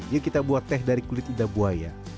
yuk kita buat teh dari kulit lidah buaya